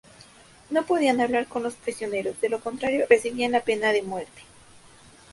No podían hablar con los prisioneros, de lo contrario recibían la pena de muerte.